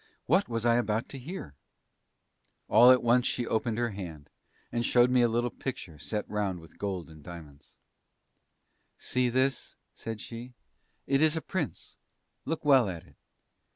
what was I about to hear?) All at once she opened her hand and showed me a little picture set round with gold and diamonds: "See this," said she, "it is a Prince look well at it....